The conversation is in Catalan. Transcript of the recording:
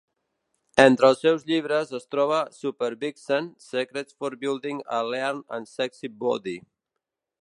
Entre els seus llibres es troba "Supervixen: Secrets for Building a Lean and Sexy Body".